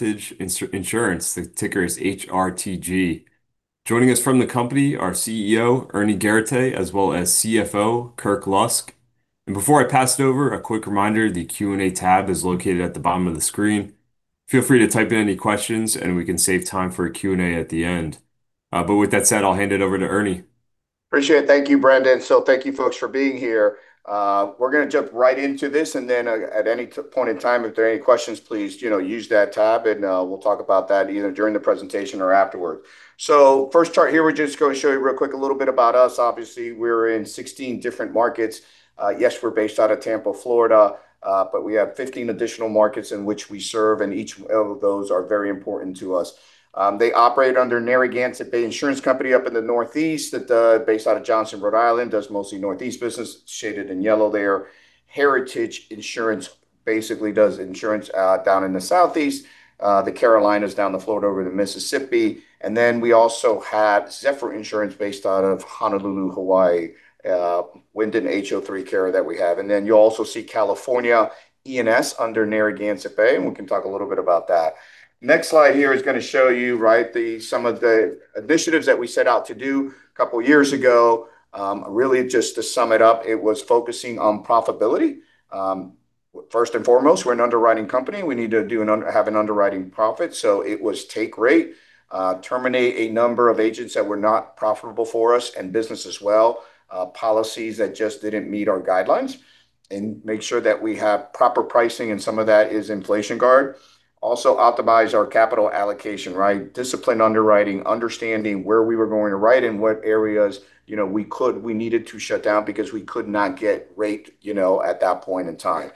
Heritage Insurance. The ticker is HRTG. Joining us from the company are CEO Ernie Garateix, as well as CFO Kirk Lusk. And before I pass it over, a quick reminder: the Q&A tab is located at the bottom of the screen. Feel free to type in any questions, and we can save time for a Q&A at the end. But with that said, I'll hand it over to Ernie. Appreciate it. Thank you, Brendan. Thank you, folks, for being here. We're going to jump right into this. Then at any point in time, if there are any questions, please use that tab, and we'll talk about that either during the presentation or afterwards. First chart here, we're just going to show you real quick a little bit about us. Obviously, we're in 16 different markets. Yes, we're based out of Tampa, Florida, but we have 15 additional markets in which we serve, and each of those are very important to us. They operate under Narragansett Bay Insurance Company up in the Northeast, based out of Johnston, Rhode Island, does mostly Northeast business. Shaded in yellow there, Heritage Insurance basically does insurance down in the Southeast. The Carolinas down to Florida over to Mississippi. And then we also have Zephyr Insurance based out of Honolulu, Hawaii, wind and HO3 coverage that we have. And then you'll also see California E&S under Narragansett Bay, and we can talk a little bit about that. Next slide here is going to show you some of the initiatives that we set out to do a couple of years ago. Really, just to sum it up, it was focusing on profitability. First and foremost, we're an underwriting company. We need to have an underwriting profit. So it was take rate, terminate a number of agents that were not profitable for us, and business as well, policies that just didn't meet our guidelines, and make sure that we have proper pricing. And some of that is inflation guard. Also, optimize our capital allocation, disciplined underwriting, understanding where we were going to write and what areas we needed to shut down because we could not get rate at that point in time.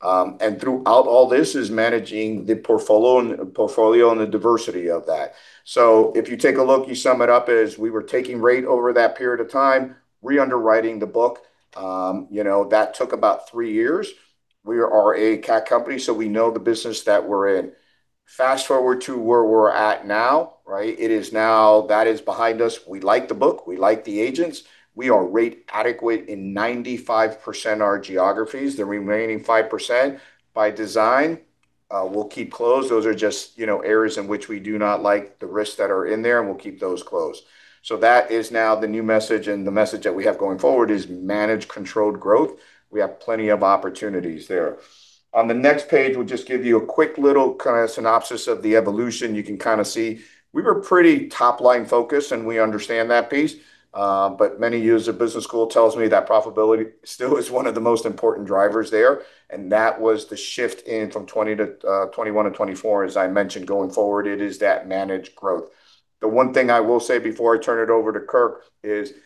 And throughout all this is managing the portfolio and the diversity of that. So if you take a look, you sum it up as we were taking rate over that period of time, re-underwriting the book. That took about three years. We are a CAC company, so we know the business that we're in. Fast forward to where we're at now. It is now that is behind us. We like the book. We like the agents. We are rate adequate in 95% of our geographies. The remaining 5% by design, we'll keep closed. Those are just areas in which we do not like the risks that are in there, and we'll keep those closed. That is now the new message. The message that we have going forward is manage controlled growth. We have plenty of opportunities there. On the next page, we'll just give you a quick little kind of synopsis of the evolution. You can kind of see we were pretty top-line focused, and we understand that piece. But many years of business school tells me that profitability still is one of the most important drivers there. That was the shift in from 2021 to 2024, as I mentioned. Going forward, it is that manage growth. The one thing I will say before I turn it over to Kirk is that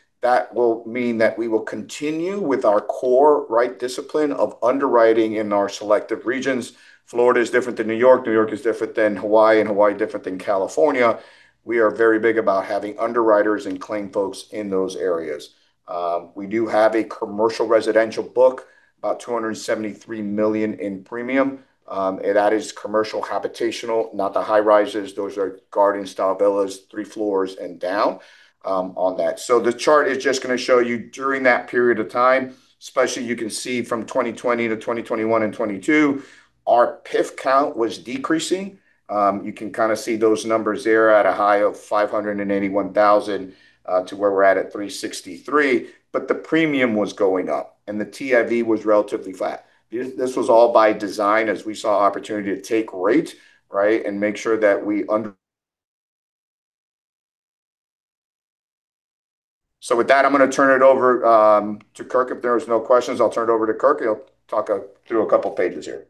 will mean that we will continue with our core discipline of underwriting in our selective regions. Florida is different than New York. New York is different than Hawaii. Hawaii is different than California. We are very big about having underwriters and claim folks in those areas. We do have a commercial residential book, about $273 million in premium. That is commercial habitational, not the high-rises. Those are garden-style villas, three floors and down on that. So the chart is just going to show you during that period of time, especially you can see from 2020 to 2021 and 2022, our PIF count was decreasing. You can kind of see those numbers there at a high of 581,000 to where we're at 363. But the premium was going up, and the TIV was relatively flat. This was all by design as we saw opportunity to take rate and make sure that we underwrite. So with that, I'm going to turn it over to Kirk. If there are no questions, I'll turn it over to Kirk. He'll talk through a couple of pages here.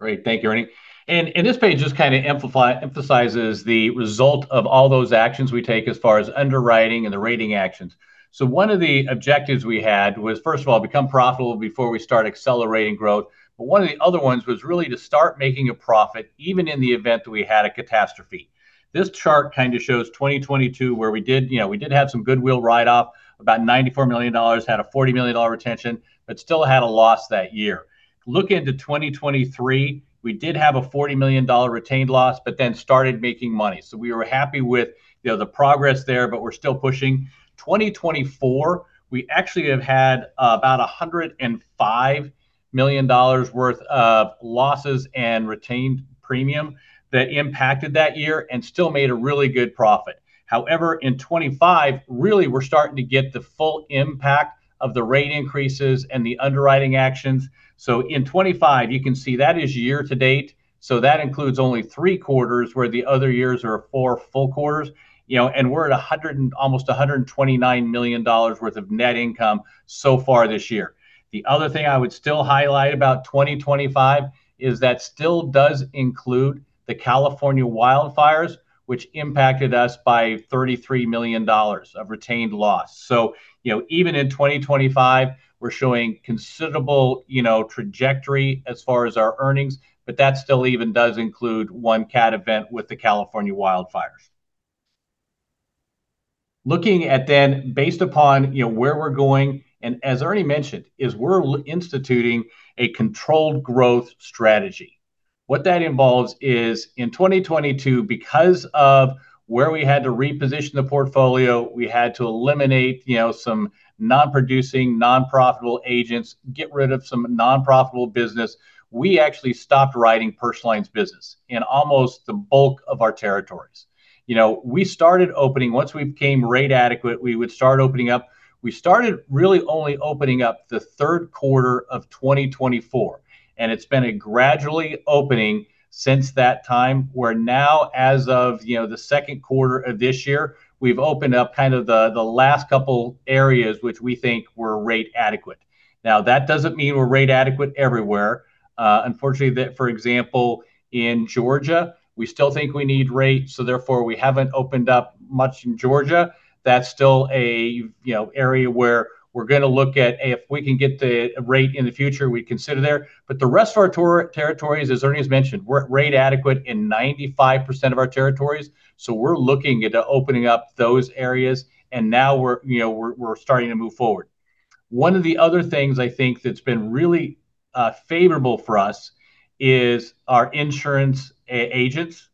Great. Thank you, Ernie. And this page just kind of emphasizes the result of all those actions we take as far as underwriting and the rating actions. So one of the objectives we had was, first of all, become profitable before we start accelerating growth. But one of the other ones was really to start making a profit even in the event that we had a catastrophe. This chart kind of shows 2022 where we did have some goodwill write-off, about $94 million, had a $40 million retention, but still had a loss that year. Look into 2023, we did have a $40 million retained loss, but then started making money. So we were happy with the progress there, but we're still pushing. 2024, we actually have had about $105 million worth of losses and retained premium that impacted that year and still made a really good profit. However, in 2025, really, we're starting to get the full impact of the rate increases and the underwriting actions, so in 2025, you can see that is year-to-date, so that includes only three quarters where the other years are four full quarters, and we're at almost $129 million worth of net income so far this year. The other thing I would still highlight about 2025 is that still does include the California wildfires, which impacted us by $33 million of retained loss. So even in 2025, we're showing considerable trajectory as far as our earnings, but that still even does include one cat event with the California wildfires. Looking at then, based upon where we're going, and as Ernie mentioned, is we're instituting a controlled growth strategy. What that involves is in 2022, because of where we had to reposition the portfolio, we had to eliminate some non-producing, non-profitable agents, get rid of some non-profitable business. We actually stopped writing personal lines business in almost the bulk of our territories. We started opening once we became rate adequate, we would start opening up. We started really only opening up the third quarter of 2024. It's been a gradual opening since that time where now, as of the second quarter of this year, we've opened up kind of the last couple areas which we think were rate adequate. Now, that doesn't mean we're rate adequate everywhere. Unfortunately, for example, in Georgia, we still think we need rate. So therefore, we haven't opened up much in Georgia. That's still an area where we're going to look at if we can get the rate in the future, we consider there. But the rest of our territories, as Ernie has mentioned, we're rate adequate in 95% of our territories. So we're looking at opening up those areas. And now we're starting to move forward. One of the other things I think that's been really favorable for us is our insurance agents.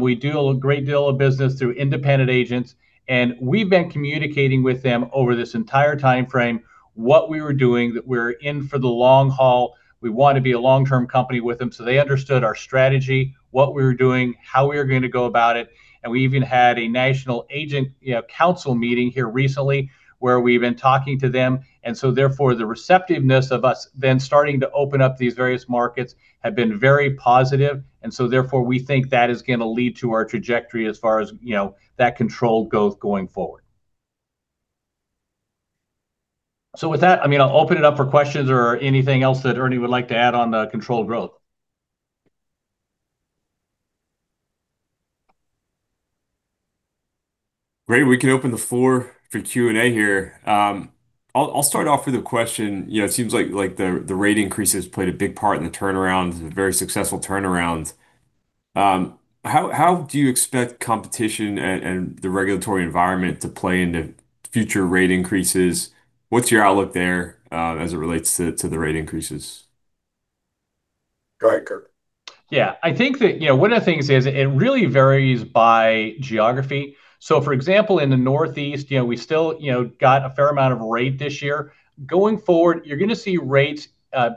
We do a great deal of business through independent agents. And we've been communicating with them over this entire time frame what we were doing, that we're in for the long haul. We want to be a long-term company with them. So they understood our strategy, what we were doing, how we were going to go about it. And we even had a national agent council meeting here recently where we've been talking to them. And so therefore, the receptiveness of us then starting to open up these various markets has been very positive. And so therefore, we think that is going to lead to our trajectory as far as that controlled growth going forward. So with that, I mean, I'll open it up for questions or anything else that Ernie would like to add on the controlled growth. Great. We can open the floor for Q&A here. I'll start off with a question. It seems like the rate increase has played a big part in the turnaround, a very successful turnaround. How do you expect competition and the regulatory environment to play into future rate increases? What's your outlook there as it relates to the rate increases? Go ahead, Kirk. Yeah. I think that one of the things is it really varies by geography. So for example, in the Northeast, we still got a fair amount of rate this year. Going forward, you're going to see rates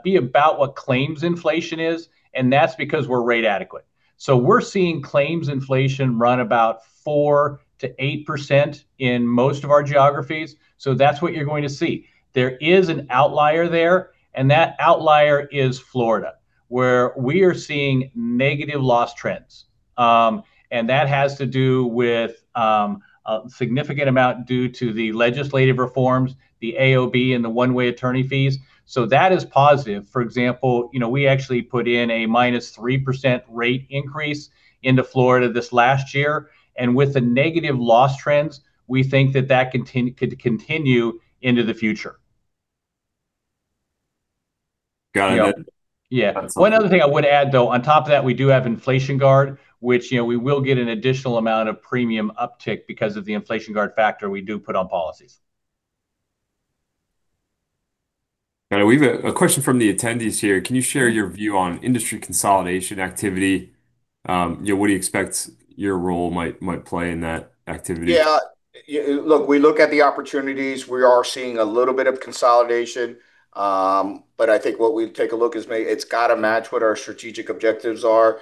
be about what claims inflation is, and that's because we're rate adequate. So we're seeing claims inflation run about 4%-8% in most of our geographies. So that's what you're going to see. There is an outlier there, and that outlier is Florida, where we are seeing negative loss trends. And that has to do with a significant amount due to the legislative reforms, the AOB, and the one-way attorney fees. So that is positive. For example, we actually put in a -3% rate increase into Florida this last year. And with the negative loss trends, we think that that could continue into the future. Got it. Yeah. One other thing I would add, though, on top of that, we do have Inflation Guard, which we will get an additional amount of premium uptick because of the Inflation Guard factor we do put on policies. Now, we have a question from the attendees here. Can you share your view on industry consolidation activity? What do you expect your role might play in that activity? Yeah. Look, we look at the opportunities. We are seeing a little bit of consolidation. But I think what we take a look is it's got to match what our strategic objectives are.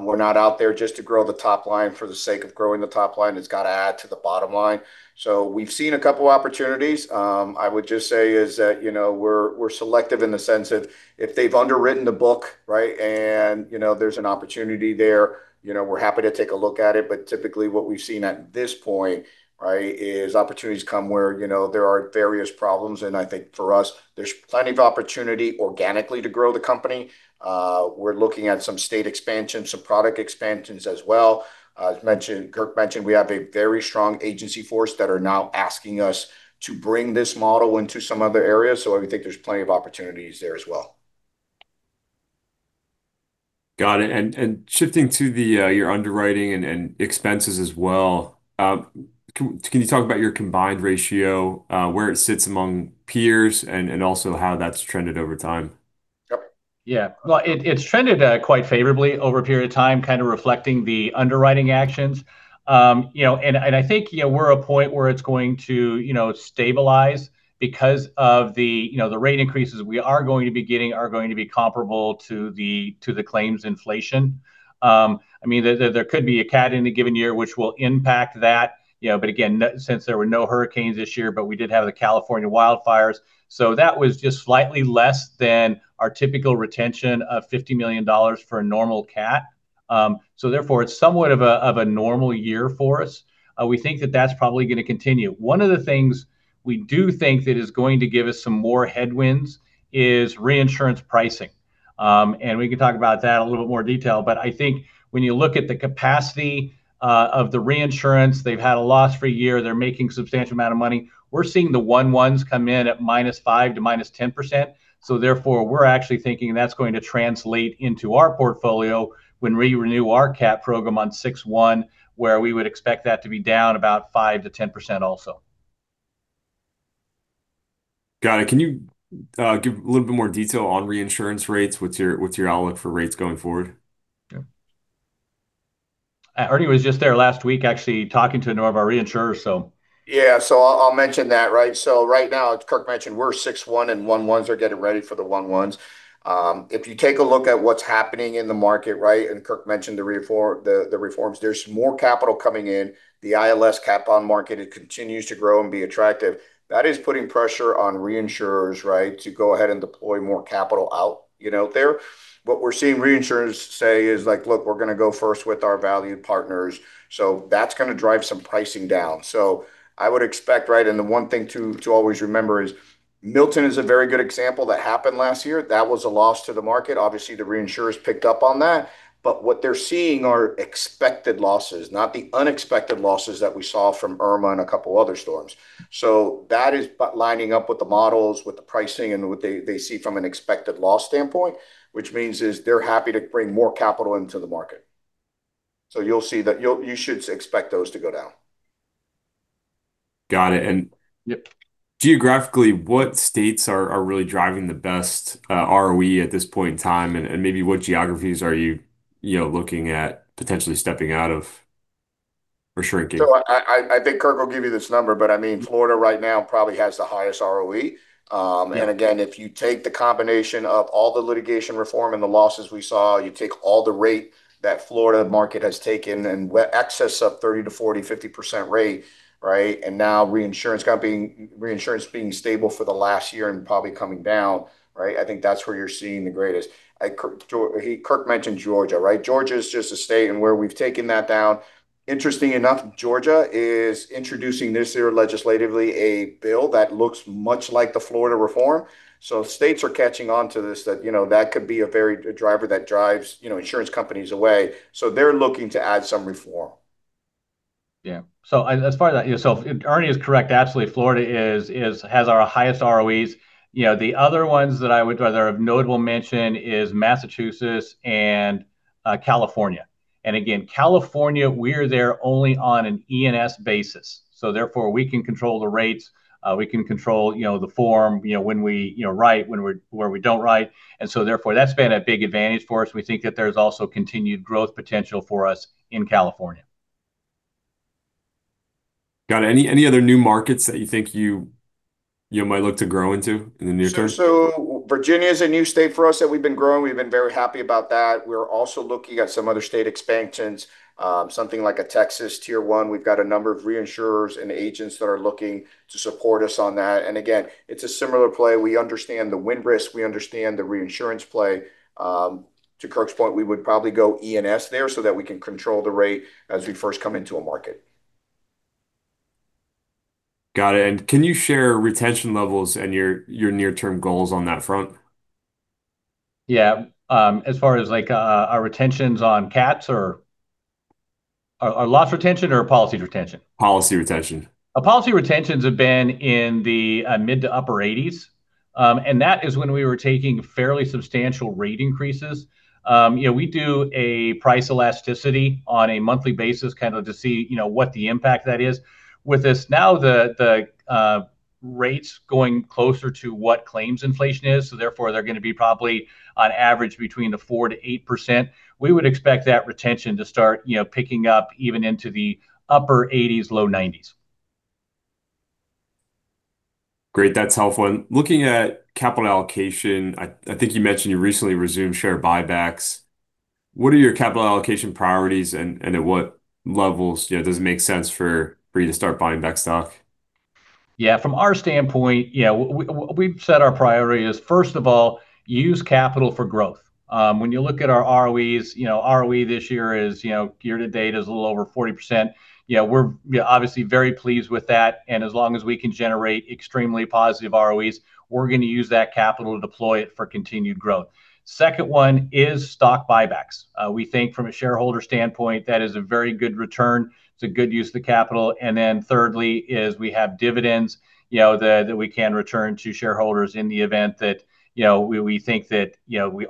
We're not out there just to grow the top line for the sake of growing the top line. It's got to add to the bottom line. So we've seen a couple of opportunities. I would just say is that we're selective in the sense of if they've underwritten the book and there's an opportunity there, we're happy to take a look at it. But typically, what we've seen at this point is opportunities come where there are various problems. And I think for us, there's plenty of opportunity organically to grow the company. We're looking at some state expansions, some product expansions as well. As Kirk mentioned, we have a very strong agency force that are now asking us to bring this model into some other areas, so I think there's plenty of opportunities there as well. Got it. And shifting to your underwriting and expenses as well, can you talk about your Combined Ratio, where it sits among peers, and also how that's trended over time? Yeah. Well, it's trended quite favorably over a period of time, kind of reflecting the underwriting actions. And I think we're at a point where it's going to stabilize because of the rate increases we are going to be getting are going to be comparable to the claims inflation. I mean, there could be a cat in a given year which will impact that. But again, since there were no hurricanes this year, but we did have the California wildfires. So that was just slightly less than our typical retention of $50 million for a normal cat. So therefore, it's somewhat of a normal year for us. We think that that's probably going to continue. One of the things we do think that is going to give us some more headwinds is reinsurance pricing. And we can talk about that in a little bit more detail. But I think when you look at the capacity of the reinsurance, they've had a loss-free year. They're making a substantial amount of money. We're seeing the 101s come in at -5% to -10%. So therefore, we're actually thinking that's going to translate into our portfolio when we renew our cat program on 61, where we would expect that to be down about 5%-10% also. Got it. Can you give a little bit more detail on reinsurance rates? What's your outlook for rates going forward? Ernie was just there last week actually talking to one of our reinsurers, so. Yeah. So I'll mention that. So right now, as Kirk mentioned, we're 61, and 101s are getting ready for the 101s. If you take a look at what's happening in the market, and Kirk mentioned the reforms, there's more capital coming in. The ILS cat bond market continues to grow and be attractive. That is putting pressure on reinsurers to go ahead and deploy more capital out there. What we're seeing reinsurers say is, "Look, we're going to go first with our valued partners." So that's going to drive some pricing down. So I would expect, and the one thing to always remember is Milton is a very good example that happened last year. That was a loss to the market. Obviously, the reinsurers picked up on that. But what they're seeing are expected losses, not the unexpected losses that we saw from Irma and a couple of other storms. So that is lining up with the models, with the pricing, and what they see from an expected loss standpoint, which means they're happy to bring more capital into the market. So you'll see that you should expect those to go down. Got it. And geographically, what states are really driving the best ROE at this point in time? And maybe what geographies are you looking at potentially stepping out of or shrinking? So I think Kirk will give you this number. But I mean, Florida right now probably has the highest ROE. And again, if you take the combination of all the litigation reform and the losses we saw, you take all the rate that Florida market has taken in excess of 30%-40%, 50% rate, and now reinsurance being stable for the last year and probably coming down, I think that's where you're seeing the greatest. Kirk mentioned Georgia. Georgia is just a state where we've taken that down. Interesting enough, Georgia is introducing this year legislatively a bill that looks much like the Florida reform. So states are catching on to this that could be a driver that drives insurance companies away. So they're looking to add some reform. Yeah. So as far as that, so Ernie is correct, absolutely. Florida has our highest ROEs. The other ones that I would rather have notable mention is Massachusetts and California. And again, California, we're there only on an E&S basis. So therefore, we can control the rates. We can control the form when we write, where we don't write. And so therefore, that's been a big advantage for us. We think that there's also continued growth potential for us in California. Got it. Any other new markets that you think you might look to grow into in the near term? So Virginia is a new state for us that we've been growing. We've been very happy about that. We're also looking at some other state expansions, something like a Texas Tier 1. We've got a number of reinsurers and agents that are looking to support us on that. And again, it's a similar play. We understand the wind risk. We understand the reinsurance play. To Kirk's point, we would probably go E&S there so that we can control the rate as we first come into a market. Got it. And can you share retention levels and your near-term goals on that front? Yeah. As far as our retentions on cats or loss retention or policy retention? Policy retention. Policy retentions have been in the mid- to upper 80s, and that is when we were taking fairly substantial rate increases. We do a price elasticity on a monthly basis kind of to see what the impact that is. With us now, the rates going closer to what claims inflation is. Therefore, they're going to be probably on average between the 4%-8%. We would expect that retention to start picking up even into the upper 80s, low 90s. Great. That's helpful, and looking at capital allocation, I think you mentioned you recently resumed share buybacks. What are your capital allocation priorities, and at what levels does it make sense for you to start buying back stock? Yeah. From our standpoint, we've set our priority as, first of all, use capital for growth. When you look at our ROEs, ROE this year year-to-date is a little over 40%. We're obviously very pleased with that. And as long as we can generate extremely positive ROEs, we're going to use that capital to deploy it for continued growth. Second one is stock buybacks. We think from a shareholder standpoint, that is a very good return. It's a good use of the capital. And then thirdly is we have dividends that we can return to shareholders in the event that we think that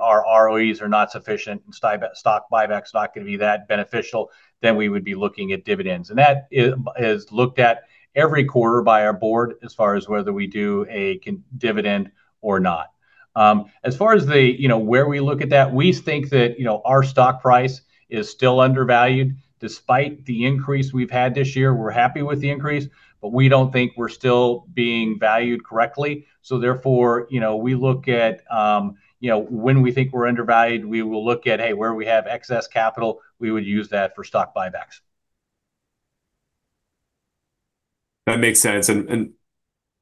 our ROEs are not sufficient and stock buybacks are not going to be that beneficial, then we would be looking at dividends. And that is looked at every quarter by our board as far as whether we do a dividend or not. As far as where we look at that, we think that our stock price is still undervalued. Despite the increase we've had this year, we're happy with the increase, but we don't think we're still being valued correctly. So therefore, we look at when we think we're undervalued, we will look at, hey, where we have excess capital, we would use that for stock buybacks. That makes sense, and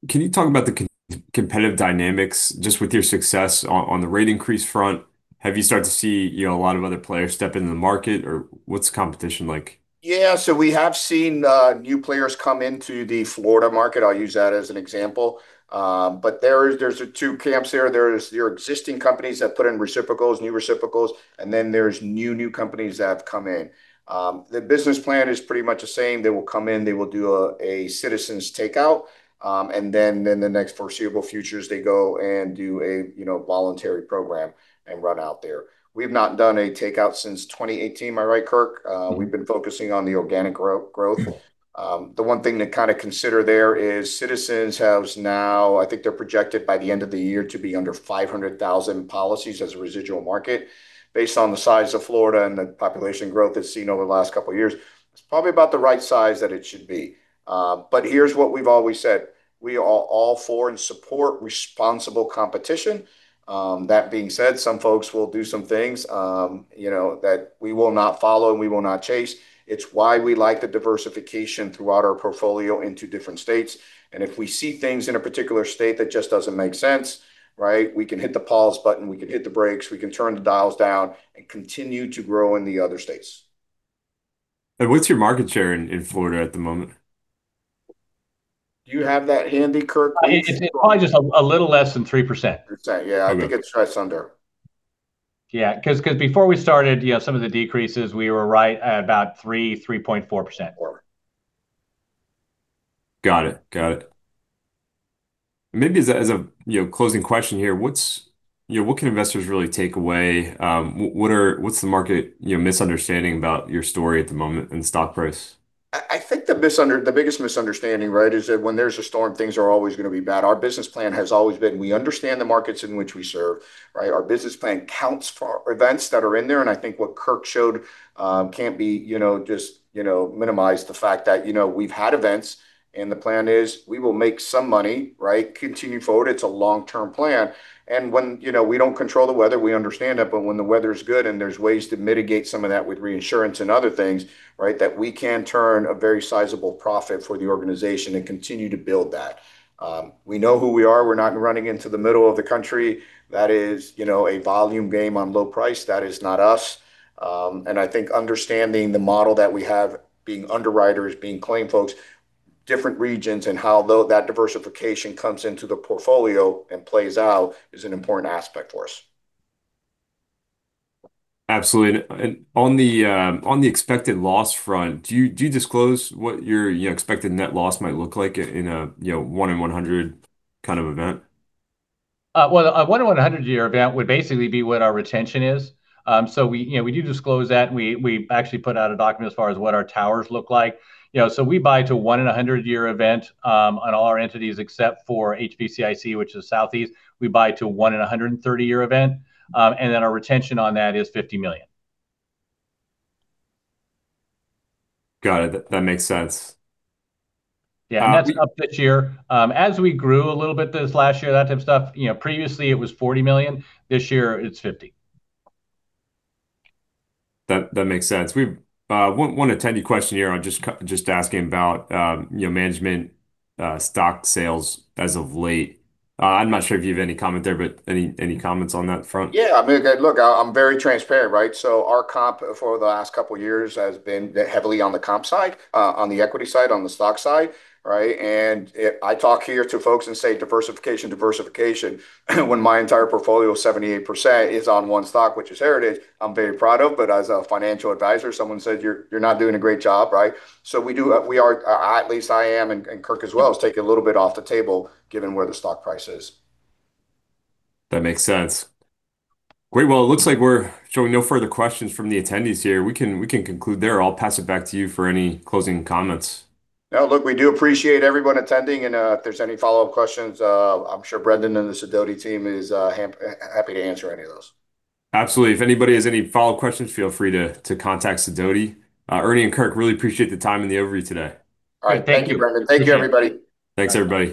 can you talk about the competitive dynamics just with your success on the rate increase front? Have you started to see a lot of other players step into the market, or what's the competition like? Yeah. So we have seen new players come into the Florida market. I'll use that as an example. But there's two camps here. There are existing companies that put in reciprocals, new reciprocals, and then there's new companies that have come in. The business plan is pretty much the same. They will come in. They will do a Citizens' takeout. And then in the next foreseeable futures, they go and do a voluntary program and run out there. We've not done a takeout since 2018, am I right, Kirk? We've been focusing on the organic growth. The one thing to kind of consider there is Citizens have now, I think they're projected by the end of the year to be under 500,000 policies as a residual market. Based on the size of Florida and the population growth it's seen over the last couple of years, it's probably about the right size that it should be, but here's what we've always said. We are all for and support responsible competition. That being said, some folks will do some things that we will not follow and we will not chase. It's why we like the diversification throughout our portfolio into different states, and if we see things in a particular state that just doesn't make sense, we can hit the pause button. We can hit the brakes. We can turn the dials down and continue to grow in the other states. What's your market share in Florida at the moment? Do you have that handy, Kirk? It's probably just a little less than 3%. Percent. Yeah. I think it's right under. Yeah. Because before we started, some of the decreases, we were right at about 3%, 3.4%. Got it. Got it. Maybe as a closing question here, what can investors really take away? What's the market misunderstanding about your story at the moment in the stock price? I think the biggest misunderstanding is that when there's a storm, things are always going to be bad. Our business plan has always been, we understand the markets in which we serve. Our business plan counts for events that are in there. And I think what Kirk showed can't be just minimized, the fact that we've had events and the plan is we will make some money continuing forward. It's a long-term plan. And when we don't control the weather, we understand that. But when the weather is good and there's ways to mitigate some of that with reinsurance and other things, that we can turn a very sizable profit for the organization and continue to build that. We know who we are. We're not running into the middle of the country. That is a volume game on low price. That is not us. I think understanding the model that we have, being underwriters, being claim folks, different regions, and how that diversification comes into the portfolio and plays out, is an important aspect for us. Absolutely. And on the expected loss front, do you disclose what your expected net loss might look like in a one in 100 kind of event? A one in 100 year event would basically be what our retention is. We do disclose that. We actually put out a document as far as what our towers look like. We buy to one in 100 year event on all our entities except for HBCIC, which is Southeast. We buy to 1 in 130 year event. Our retention on that is $50 million. Got it. That makes sense. Yeah. And that's up this year. As we grew a little bit this last year, that type of stuff, previously it was $40 million. This year it's $50 million. That makes sense. One attendee question here. I'm just asking about management stock sales as of late. I'm not sure if you have any comment there, but any comments on that front? Yeah. Look, I'm very transparent. So our comp for the last couple of years has been heavily on the comp side, on the equity side, on the stock side. And I talk here to folks and say, "Diversification, diversification." When my entire portfolio is 78% on one stock, which is Heritage, I'm very proud of. But as a financial advisor, someone said, "You're not doing a great job." So we are, at least I am, and Kirk as well is taking a little bit off the table given where the stock price is. That makes sense. Great. Well, it looks like we're showing no further questions from the attendees here. We can conclude there. I'll pass it back to you for any closing comments. Yeah. Look, we do appreciate everyone attending. And if there's any follow-up questions, I'm sure Brendan and the Sidoti team is happy to answer any of those. Absolutely. If anybody has any follow-up questions, feel free to contact Sidoti. Ernie and Kirk, really appreciate the time and the overview today. All right. Thank you, Brendan. Thank you, everybody. Thanks, everybody.